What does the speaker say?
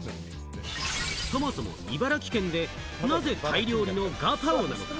そもそも、茨城県でなぜタイ料理のガパオ？